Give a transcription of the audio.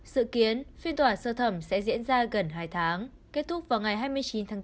sự kiến phiên tòa sơ thẩm sẽ diễn ra gần hai tháng kết thúc vào ngày hai mươi chín tháng bốn